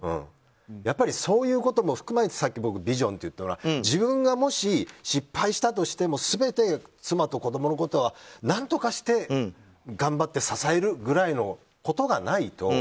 そういうことも含めてさっき、僕はビジョンって言ったのは自分がもし失敗したとしても全て妻と子供のことは何とかして、頑張って支えるぐらいのことがないと。